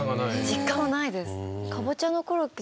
実感はないです。